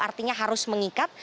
artinya harus mengikat